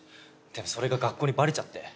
でもそれが学校にバレちゃって。